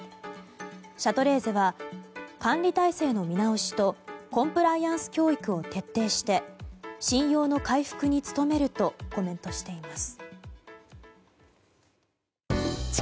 シャトレーゼは管理体制の見直しとコンプライアンス教育を徹底して信用の回復に努めるとコメントしています。